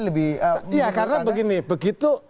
lebih iya karena begini begitu